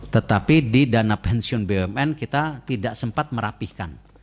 tetapi di dana pensiun bumn kita tidak sempat merapihkan